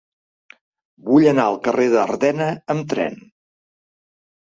Vull anar al carrer d'Ardena amb tren.